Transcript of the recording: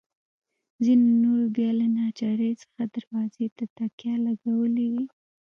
ځینو نورو بیا له ناچارۍ څخه دروازو ته تکیې لګولي وې.